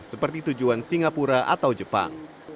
seperti tujuan singapura atau jepang